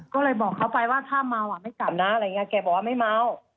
ก็เลยบอกเขาไปว่าถ้าเมาอ่ะไม่กลับนะอะไรอย่างนี้แกบอกว่าไม่เมา